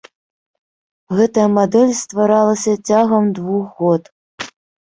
Гэтая мадэль стваралася цягам двух год.